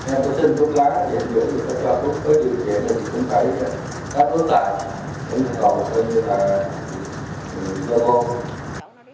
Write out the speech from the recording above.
ông dũng không có truyền thông tra thì ông dũng sẽ cho phút lá